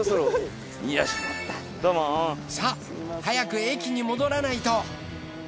さぁ早く駅に戻らないと。